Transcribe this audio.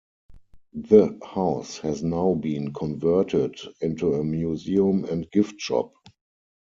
The house has now been converted into a museum and gift shop.